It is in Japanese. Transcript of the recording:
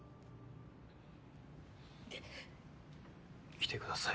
来てください。